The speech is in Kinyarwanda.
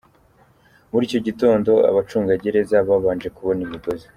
Muri icyo gitondo abacungagereza babanje kubona imigozi.